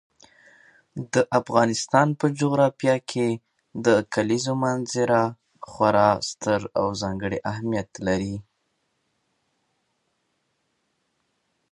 د افغانستان په جغرافیه کې د کلیزو منظره خورا ستر او ځانګړی اهمیت لري.